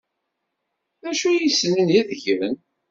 D acu ay ssnen ad gen?